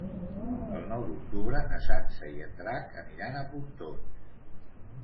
El nou d'octubre na Sança i en Drac aniran a Pontons.